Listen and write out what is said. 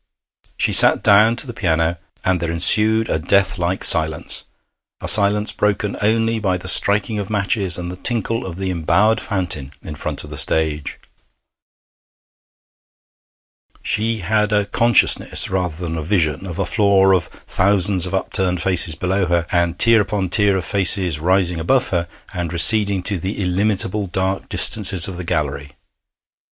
She sat down to the piano, and there ensued a death like silence a silence broken only by the striking of matches and the tinkle of the embowered fountain in front of the stage. She had a consciousness, rather than a vision, of a floor of thousands of upturned faces below her, and tier upon tier of faces rising above her and receding to the illimitable dark distances of the gallery.